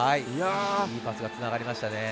いいパスがつながりましたね。